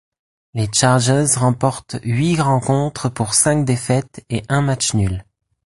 Les Chargers remportent huit rencontres pour cinq défaites et un match nul.